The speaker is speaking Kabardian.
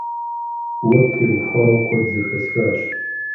Уэ птеухауэ куэд зэхэсхащ.